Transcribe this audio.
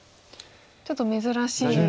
ちょっと珍しい。